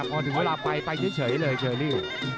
พอถึงเวลาไปไปเฉยเลยเชอรี่